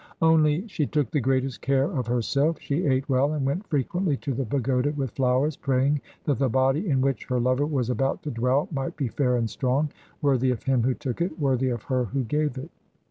Only she took the greatest care of herself; she ate well, and went frequently to the pagoda with flowers, praying that the body in which her lover was about to dwell might be fair and strong, worthy of him who took it, worthy of her who gave it.